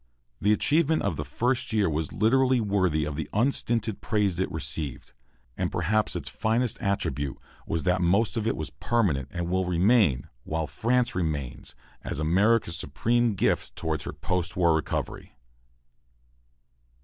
The achievement of the first year was literally worthy of the unstinted praise it received. And perhaps its finest attribute was that most of it was permanent, and will remain, while France remains, as America's supreme gift toward her post war recovery.